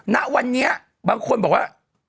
ณวันนี้บางคนบอกว่า